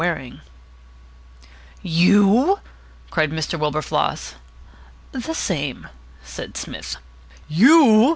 WARING "You!" cried Mr. Wilberfloss. "The same," said Psmith. "You!"